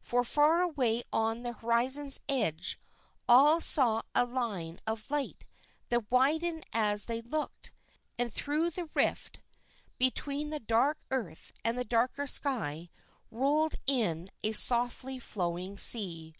For far away on the horizon's edge all saw a line of light that widened as they looked, and through that rift, between the dark earth and the darker sky, rolled in a softly flowing sea.